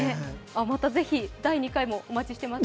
またぜひ第２回もお待ちしています。